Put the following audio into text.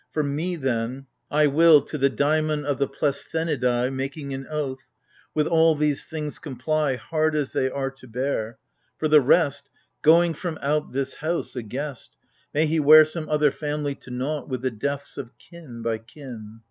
For me, then, — I will — To the Daimon of the Pleisthenidai Making an oath — with all these things comply Hard as they are to bear. For the rest — Going from out this House, a guest. May he wear some other family To nought, with the deaths of kin by kin